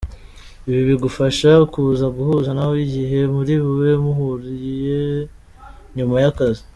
Ibibigufasha kuza guhuza nawe igihe muri bube muhuye nyuma y’akazi.